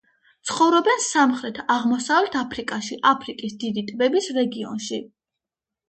ცხოვრობენ სამხრეთ-აღმოსავლეთ აფრიკაში, აფრიკის დიდი ტბების რეგიონში.